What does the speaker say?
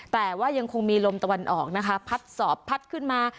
แต่ว่ายังคงมีลมตะวันออกนะคะพัดสอบพัดขึ้นมา